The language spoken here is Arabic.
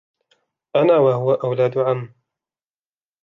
أنا وهو أولاد عَم.